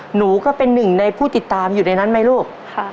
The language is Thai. หนูก็เป็นหนึ่งในผู้ติดตามอยู่ในนั้นไหมลูก